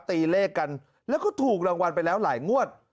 ตีเลขกันแล้วก็ถูกรางวัลไปแล้วหลายงวด